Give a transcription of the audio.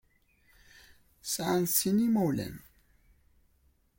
Sɛant sin n yimawalen.